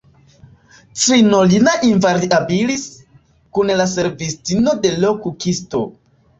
_Crinolina invariabilis_, kun la servistino de l' kukisto.